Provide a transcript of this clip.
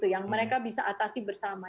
yang mereka bisa atasi bersama